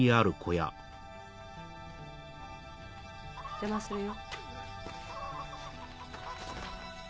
邪魔するよ。